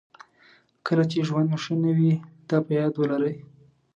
کله چې ژوند مو ښه نه وي دا په یاد ولرئ.